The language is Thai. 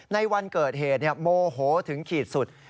ในวันเกิดเหตุโมโหถึงขีดสุด